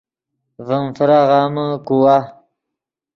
ڤیم فراغامے کوا